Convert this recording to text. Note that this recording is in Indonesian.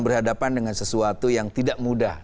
berhadapan dengan sesuatu yang tidak mudah